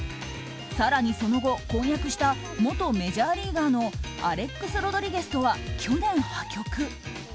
更にその後、婚約した元メジャーリーガーのアレックス・ロドリゲスとは去年、破局。